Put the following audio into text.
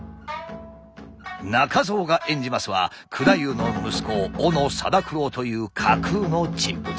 中蔵が演じますは九太夫の息子斧定九郎という架空の人物。